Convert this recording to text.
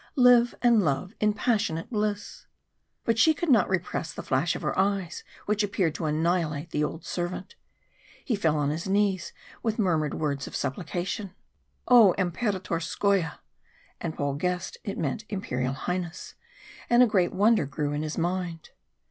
Live and love in passionate bliss!" But she could not repress the flash of her eyes which appeared to annihilate the old servant. He fell on his knees with the murmured words of supplication: "O Imperatorskoye!" And Paul guessed it meant Imperial Highness, and a great wonder grew in his mind.